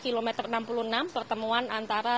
kilometer enam puluh enam pertemuan antara